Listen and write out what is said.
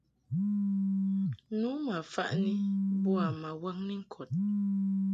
Nu ma faʼni boa ma waŋni ŋkɔd.